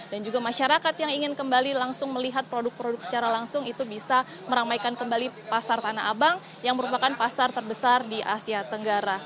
dan juga masyarakat yang ingin kembali langsung melihat produk produk secara langsung itu bisa meramaikan kembali pasar tanah abang yang merupakan pasar terbesar di asia tenggara